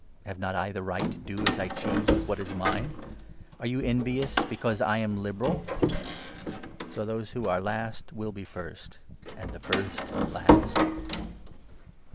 Have not I the right to do as I 15 choose with what is mine ? Are you envious because I am liberal ?' So those who are last will be first, and the 16 first last."